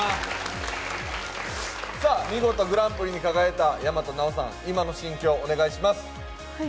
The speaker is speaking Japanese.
見事グランプリに輝いた大和奈央さん、今の心境、お願いします。